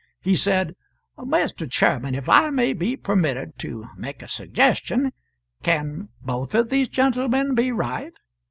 He said: "Mr. Chairman, if I may be permitted to make a suggestion, can both of these gentlemen be right?